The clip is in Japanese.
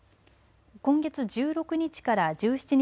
今月１６日から１７日